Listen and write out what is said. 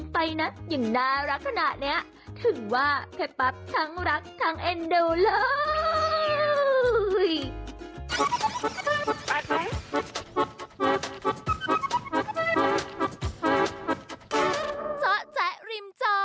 โปรดติดตามต่อไป